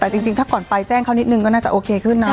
แต่จริงถ้าก่อนไปแจ้งเขานิดนึงก็น่าจะโอเคขึ้นนะ